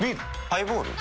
ハイボール？